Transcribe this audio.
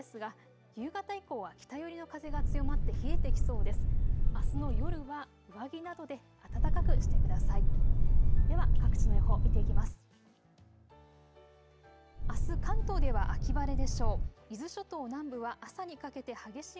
あすの夜は上着などで暖かくしてください。